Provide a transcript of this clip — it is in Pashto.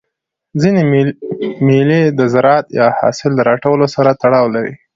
ځيني مېلې د زراعت یا حاصل د راټولولو سره تړاو لري.